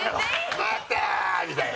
「また！」みたいな。